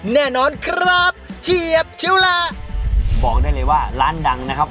แน่นอนครับเจียบชิวลาบอกได้เลยว่าร้านดังนะครับ